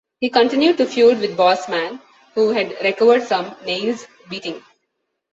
He continued to feud with Boss Man, who had recovered from Nailz's beating.